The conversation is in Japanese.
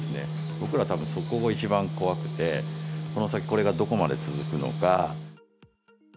僕ら、たぶんそこが一番怖くて、この先、これがどこまで続くのか。